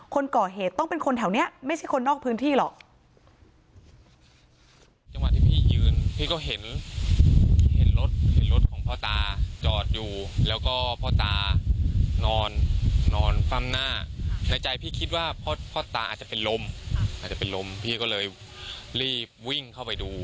คนก่อเหตุต้องเป็นคนแถวนี้ไม่ใช่คนนอกพื้นที่หรอก